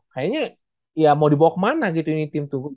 kayaknya ya mau dibawa kemana gitu ini tim tubuh